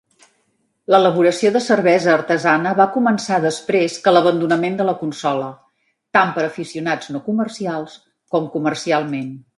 L'elaboració de cervesa artesana va començar després que l'abandonament de la consola, tant per aficionats no comercials com comercialment.